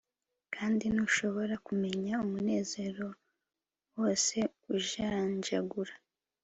Kandi ntushobora kumenya umunezero wose ujanjagura